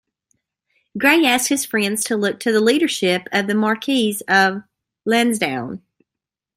Grey asked his friends to look to the leadership of the Marquess of Lansdowne.